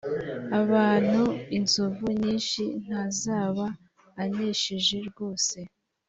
abantu inzovu nyinshi ntazaba anesheje rwose